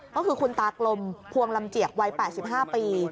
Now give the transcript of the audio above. ก็คือคุณตากลมพวงลำเจียกวัย๘๕ปี